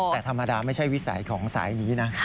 แต่ธรรมดาไม่ใช่วิสัยของสายนี้นะ